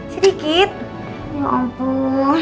sedikit ya ampun